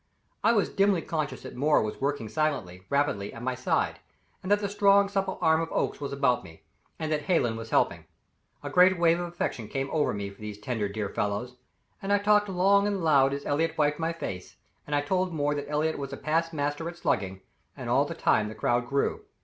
I was dimly conscious that Moore was working silently, rapidly, at my side, and that the strong, supple arm of Oakes was about me, and that Hallen was helping. A great wave of affection came over me for these tender, dear fellows and I talked long and loud as Elliott wiped my face; and I told Moore that Elliott was a past master at slugging and all the time the crowd grew.